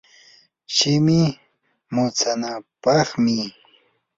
shimi mutsanapaqmi.